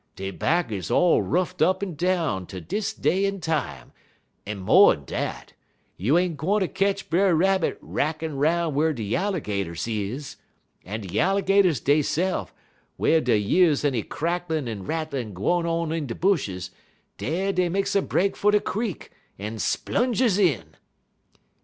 Dey back is all ruffed up en down ter dis day en time, en mo'n dat, you ain't gwineter ketch Brer Rabbit rackin' 'roun' whar de Yallergaters is. En de Yallergaters deyse'f, w'en dey years any crackin' en rattlin' gwine on in de bushes, dey des makes a break fer de creek en splunges in."